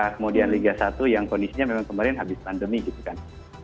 kemudian liga satu yang kondisinya memang kemarin habis pandemi gitu kan